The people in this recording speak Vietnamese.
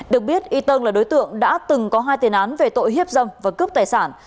được biết y tân là đối tượng đã từng có hai tiền án về tội hiếp dâm và cướp tài sản